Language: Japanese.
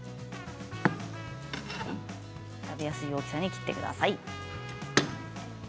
食べやすい大きさに切ってください。